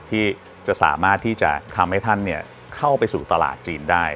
ที่จะสามารถที่จะทำให้ท่านเข้าไปสู่ตลาดจีนได้